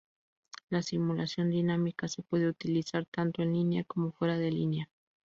La simulación dinámica se puede utilizar tanto en línea como fuera de línea.